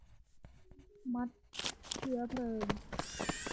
มัดเชื้อเพลิง